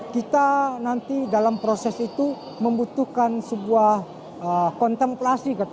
kita nanti dalam proses itu membutuhkan sebuah kontemplasi kata pak suria